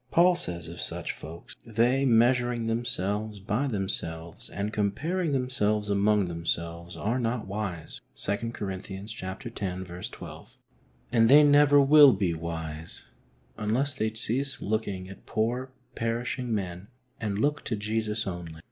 Paul says of such folks :" They, measuring them selves by themselves, and comparing themselves among themselves, are not wise" (2 Cor, x. 12). And they never will be wise unless they cease looking at poor, perishing men and look to Jesus only.